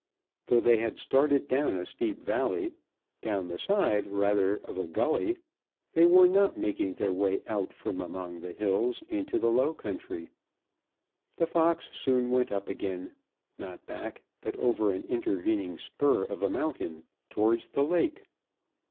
Though they had started down a steep valley, down the side rather of a gully, they were not making their way out from among the hills into the low country. The fox soon went up again, not back, but over an intervening spur of a mountain towards the lake.